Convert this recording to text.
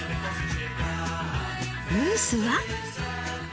ムースは？